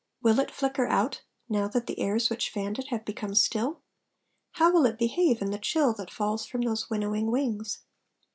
Will it flicker out, now that the airs which fanned it have become still? How will it behave in the chill that falls from those winnowing wings?